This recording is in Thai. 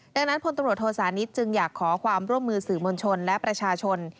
ดังนั้นพลตำรวจโทษานิทจึงอยากขอความร่วมมือสื่อมวลชนและประชาชน